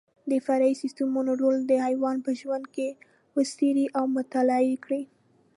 د فرعي سیسټمونو رول د حیوان په ژوند کې وڅېړئ او مطالعه یې کړئ.